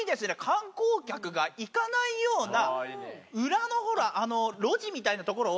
観光客が行かないような裏のほらあの路地みたいな所を。